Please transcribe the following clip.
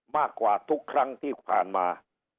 มากกว่าทุกครั้งที่ผ่านมา